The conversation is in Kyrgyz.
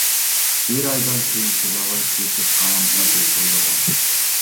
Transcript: Бир айдан кийин чыдабай кетип калам го деп ойлогом.